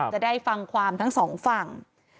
จะได้ฟังความทั้งสองฝั่ง